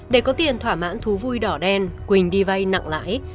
để có tiền thỏa mãn thú vui đỏ đen quỳnh đi vay nặng lãi